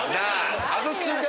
外す瞬間